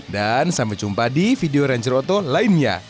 dan sampai jumpa di video ranger oto lainnya